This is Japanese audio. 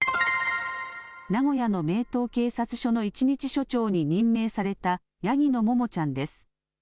名古屋の名東警察署の一日所長に任命されたヤギのももちゃんです。